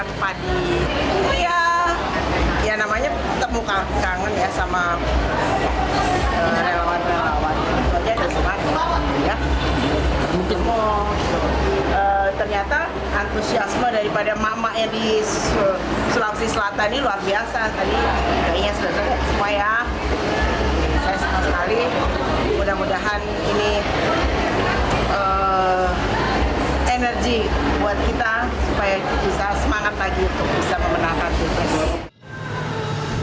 saya suka sekali mudah mudahan ini energi buat kita supaya bisa semangat lagi untuk bisa memenangkan bill press